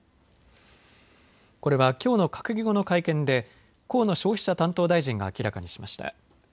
これはきょうの閣議後の会見で河野消費者担当大臣が明らかにしました。